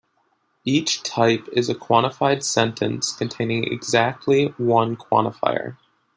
Each type is a quantified sentence containing exactly one quantifier.